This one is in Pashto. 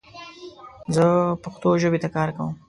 زه پښتو ژبې ته کار کوم